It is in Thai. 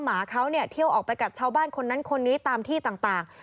หมาเขาเนี่ยเที่ยวออกไปกับชาวบ้านคนนั้นคนนี้ตามที่ต่าง